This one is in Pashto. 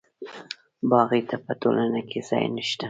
باغي ته په ټولنه کې ځای نشته.